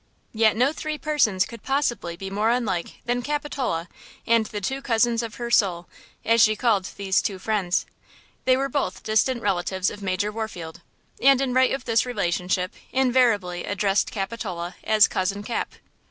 Yet no three persons could possibly be more unlike than Capitola and the two cousins of her soul, as she called these two friends. They were both distant relatives of Major Warfield, and in right of this relationship invariably addressed Capitola as "Cousin Cap."